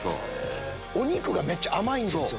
お肉がめっちゃ甘いんですよ。